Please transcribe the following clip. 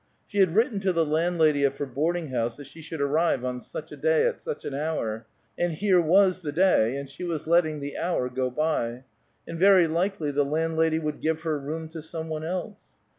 She had written to the landlady of her boarding house that she should arrive on such a day, at such an hour; and here was the day, and she was letting the hour go by, and very likely the landlady would give her room to some one else.